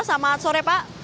selamat sore pak